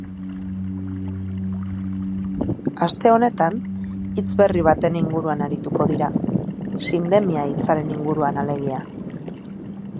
Aste honetan hitz berri baten inguruan arituko dira, sindemia hitzaren inguruan alegia.